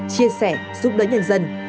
chia sẻ giúp đỡ nhân dân